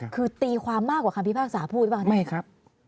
คือตีความมากกว่าคำพิพากษาพูดหรือเปล่าไม่ครับ